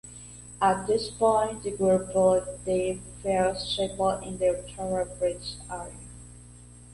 At this point, the group built their first chapel, in the Tower Bridge area.